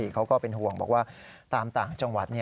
เขาก็เป็นห่วงบอกว่าตามต่างจังหวัด